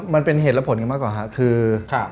มันเป็นเหตุและผลกันมากกว่าครับคือ